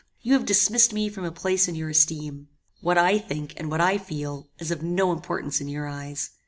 You have dismissed me from a place in your esteem. What I think, and what I feel, is of no importance in your eyes.